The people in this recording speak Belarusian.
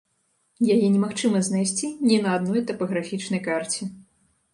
Яе немагчыма знайсці ні на адной тапаграфічнай карце.